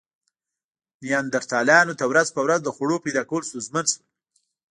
نیاندرتالانو ته ورځ په ورځ د خوړو پیدا کول ستونزمن شول.